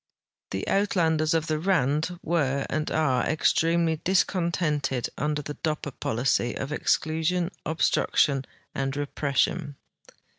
The Uitlanders of the Rand were, and are, extremely discon tented under the Doj)per policy of exclusion, obstruction, and repression.